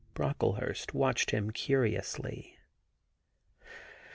Broeklehurst watched him curiously.